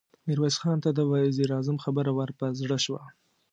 ميرويس خان ته د وزير اعظم خبره ور په زړه شوه.